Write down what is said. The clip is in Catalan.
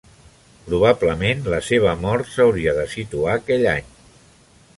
Probablement la seva mort s'hauria de situar aquell any.